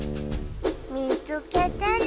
見つけてね。